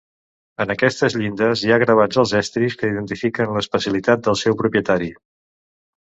En aquestes llindes hi ha gravats els estris que identifiquen l'especialitat del seu propietari.